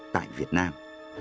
tại việt nam